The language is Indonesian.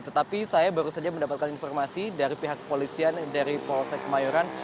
tetapi saya baru saja mendapatkan informasi dari pihak polisian dari polsek mayoran